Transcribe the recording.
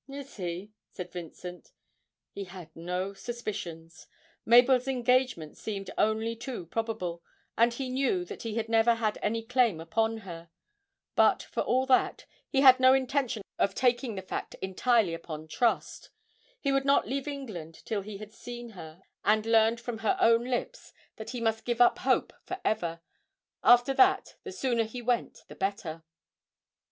'Is he?' said Vincent. He had no suspicions; Mabel's engagement seemed only too probable, and he knew that he had never had any claim upon her; but for all that, he had no intention of taking the fact entirely upon trust; he would not leave England till he had seen her and learned from her own lips that he must give up hope for ever; after that the sooner he went the better.